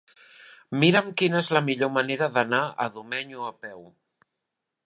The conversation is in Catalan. Mira'm quina és la millor manera d'anar a Domenyo a peu.